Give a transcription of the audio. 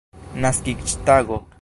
naskiĝtago